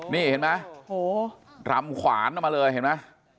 นี่เห็นมั้ยรำขวานออกมาเลยเห็นมั้ย